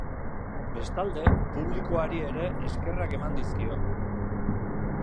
Bestalde, publikoari ere eskerrak eman dizkio.